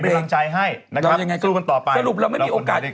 อ๋อเป็นกำลังใจให้นะครับสู้กันต่อไปสรุปเราไม่มีโอกาส